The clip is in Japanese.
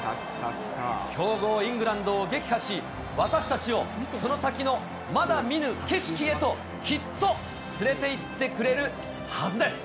強豪イングランドを撃破し、私たちをその先のまだ見ぬ景色へときっと連れていってくれるはず